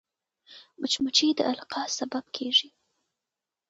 مچمچۍ د القاح سبب کېږي